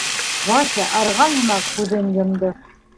Вася, арыған һымаҡ, күҙен йомдо.